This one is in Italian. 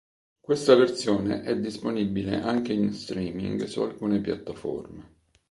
Questa versione è disponibile anche in streaming su alcune piattaforme.